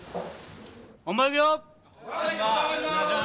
本番いくよー！